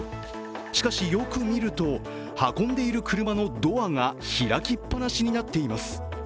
しかし、よく見ると、運んでいる車のドアが開きっぱなしになっています。